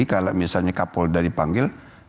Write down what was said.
kalau misalnya kapolda dipanggil